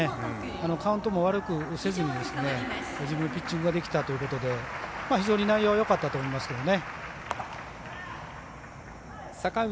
カウントも悪くせずに自分のピッチングができたというところで非常に内容はよかったと思いますけどね。